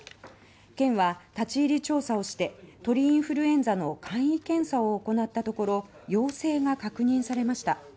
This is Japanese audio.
県は立ち入り調査をして鳥インフルエンザの簡易検査を行ったところ陽性が確認されました。